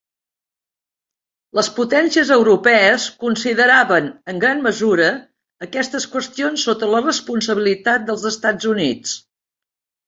Les potències europees consideraven en gran mesura aquestes qüestions sota la responsabilitat dels Estats Units.